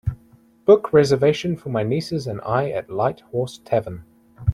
Book reservation for my nieces and I at Light Horse Tavern